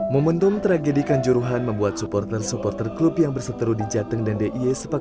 momentum tragedi kanjuruhan membuat supporter supporter klub yang berseteru di jateng dan d i e